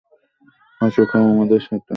আসো, খাও আমাদের সাথে!